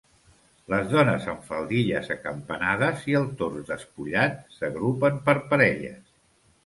Les dones, amb faldilles acampanades i el tors despullat, s'agrupen per parelles.